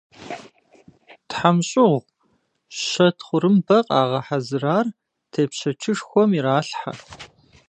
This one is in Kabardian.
ТхьэмщӀыгъу, щэ тхъурымбэ къагъэхьэзырар тепщэчышхуэм иралъхьэ.